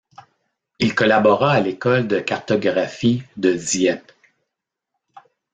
Il collabora à l'école de cartographie de Dieppe.